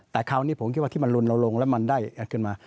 แต่คราวนี้ผมคิดว่าที่มันลนลงแล้วมันได้ขึ้นมา